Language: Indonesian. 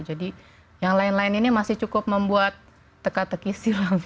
yang lain lain ini masih cukup membuat teka teki silam